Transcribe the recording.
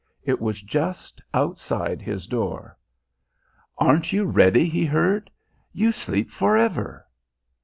It was just outside his door. "Aren't you ready?" he heard. "You sleep for ever."